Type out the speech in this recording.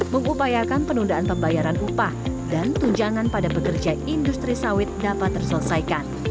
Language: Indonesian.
mengupayakan penundaan pembayaran upah dan tunjangan pada pekerja industri sawit dapat terselesaikan